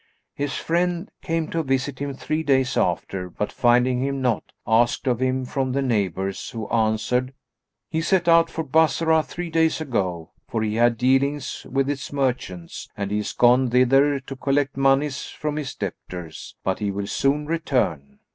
His friend came to visit him three days after but finding him not, asked of him from the neighbours who answered, "He set out for Bassorah three days ago, for he had dealings with its merchants and he is gone thither to collect monies from his debtors; but he will soon return."